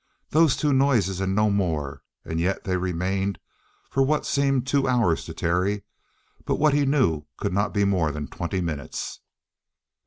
Those two noises, and no more, and yet they remained for what seemed two hours to Terry, but what he knew could not be more than twenty minutes.